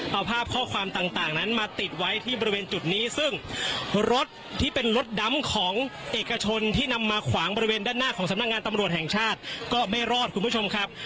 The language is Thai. เอาภาพข้อความต่างนั้นมาติดไว้ที่บริเวณจุดนี้ซึ่งรถที่เป็นรถดำของเอกชนที่นำมาขวางบริเวณด้านหน้าของสำนักงานตำรวจแห่งชาติก็ไม่รอดคุณผู้ชมครับ